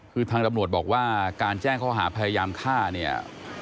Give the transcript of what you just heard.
คือทางตำรวจบอกว่าการแจ้งข้อหาพยายามฆ่าเนี่ย